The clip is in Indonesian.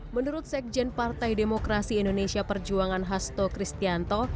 menurut sekjen partai demokrasi indonesia perjuangan hasto kristianto